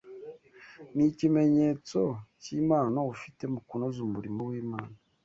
ni ikimenyetso cy’impano ufite mu kunoza umurimo w’Imana.